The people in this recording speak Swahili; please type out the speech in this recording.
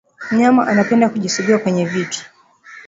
Mnyama anapenda kujisugua kwenye vitu